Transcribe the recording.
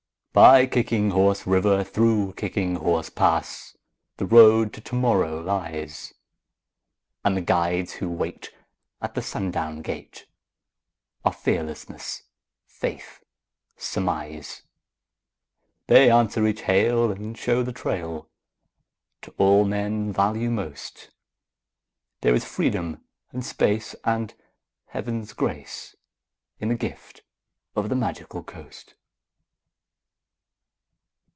By Kicking Horse River, through Kicking Horse Pass, The Road to Tomorrow lies; And the guides who wait at the sundown gate Are Fearlessness, Faith, Surmise. They answer each hail and show the trail To all men value most. There is freedom and space and Heaven's grace In the gift of the Magical Coast.